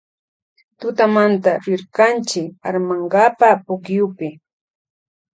Tutamante rirkanchi armankapa pukyupi.